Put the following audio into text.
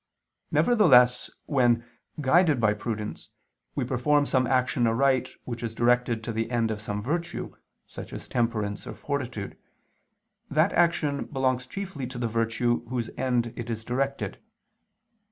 Nevertheless when, guided by prudence, we perform some action aright which is directed to the end of some virtue, such as temperance or fortitude, that action belongs chiefly to the virtue to whose end it is directed.